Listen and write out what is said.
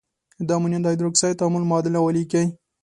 د امونیم هایدرواکساید تعامل معادله ولیکئ.